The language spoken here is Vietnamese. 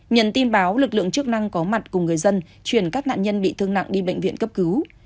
nhận tin báo lực lượng chức năng có mặt cùng người dân chuyển các nạn nhân bị thương nặng đi bệnh viện cấp cứu